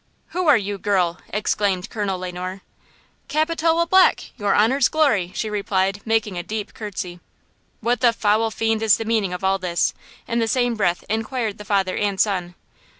"Who are you, girl?" exclaimed Colonel Le Noir. "Capitola Black, your honor's glory!" she replied, making a deep curtsey. "What the foul fiend is the meaning of all this?" in the same breath inquired the father and son.